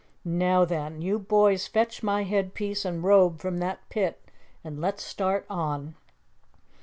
"Now, then, you boys fetch my head piece and robe from that pit and let's start on."